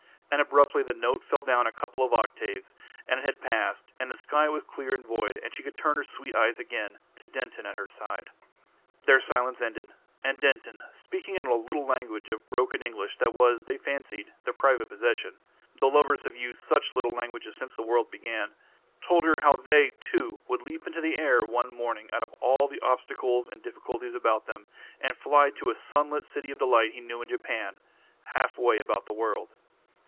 And abruptly the note fell down a couple of octaves, and it had passed, and the sky was clear and void, and she could turn her sweet eyes again to Denton at her side. Their silence ended; and Denton, speaking in a little language of broken English that was, they fancied, their private possession though lovers have used such little languages since the world began told her how they too would leap into the air one morning out of all the obstacles and difficulties about them, and fly to a sunlit city of delight he knew of in Japan, half way about the world.